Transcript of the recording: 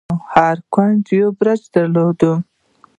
هر کونج يو برج درلود.